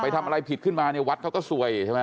ทำอะไรผิดขึ้นมาเนี่ยวัดเขาก็ซวยใช่ไหม